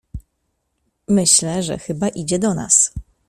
"Myślę, że chyba idzie do nas."